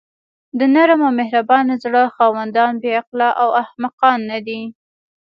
د نرم او مهربانه زړه خاوندان بې عقله او احمقان ندي.